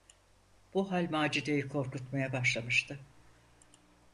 Bu hal Macide’yi korkutmaya başlamıştı.